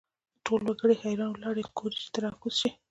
ټول وګړي حیران ولاړ ګوري چې ته را کوز شې.